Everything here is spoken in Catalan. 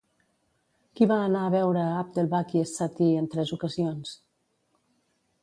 Qui va anar a veure Abdelbaki es-Satti en tres ocasions?